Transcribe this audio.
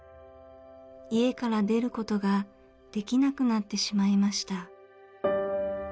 家から出ることができなくなってしまいました。